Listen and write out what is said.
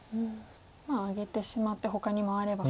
まああげてしまってほかに回ればと。